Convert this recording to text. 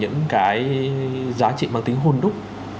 những cái giá trị bằng tính hôn đúc